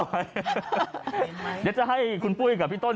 เดี๋ยวจะให้คุณปุ้ยกับพี่ต้น